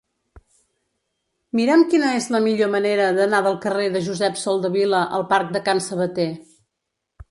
Mira'm quina és la millor manera d'anar del carrer de Josep Soldevila al parc de Can Sabater.